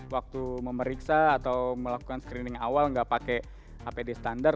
waktu memeriksa atau melakukan screening awal nggak pakai apd standar